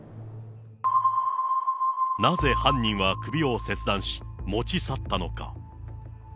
なぜ、犯人は首を切断し、持ち去ったのか。